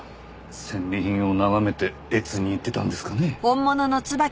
戦利品を眺めて悦に入ってたんですかね？